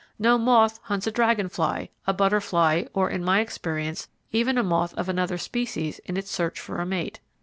No moth hunts a dragon fly, a butterfly, or in my experience, even a moth of another species in its search for a mate.